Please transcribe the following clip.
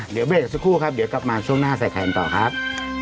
เห้อเดี๋ยวเบรคสักครับเดี๋ยวกลับมาช่วงหน้าตกเอาใหม่ครับ